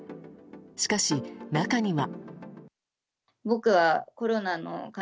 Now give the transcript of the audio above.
しかし、中には。